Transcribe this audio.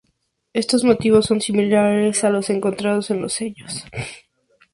Estos motivos son similares a los encontrados en los sellos.